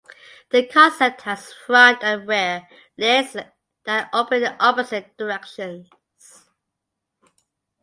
The concept has front and rear lids that open in opposite directions.